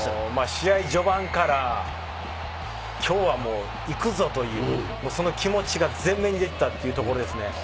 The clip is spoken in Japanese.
試合序盤からきょうはもう行くぞという、その気持ちが前面に出てたっていうところですね。